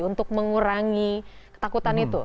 untuk mengurangi ketakutan itu